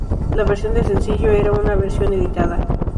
La versión del sencillo era un versión editada.